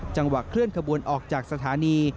จังหวักเคลื่อนขบวนออกจากสถานี